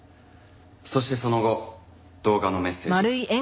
そしてその後動画のメッセージが。